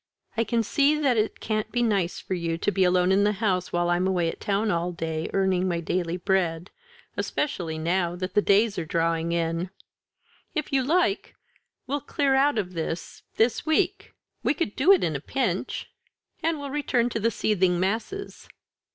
"I can see that it can't be nice for you to be alone in the house while I'm away in town all day, earning my daily bread especially now that the days are drawing in. If you like, we'll clear out of this, this week we could do it at a pinch and we'll return to the seething masses."